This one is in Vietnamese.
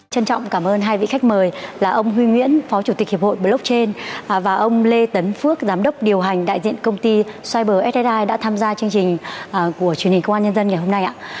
trân trọng cảm ơn hai vị khách mời là ông huy nguyễn phó chủ tịch hiệp hội blockchain và ông lê tấn phước giám đốc điều hành đại diện công ty cyber s ai đã tham gia chương trình của truyền hình công an nhân dân ngày hôm nay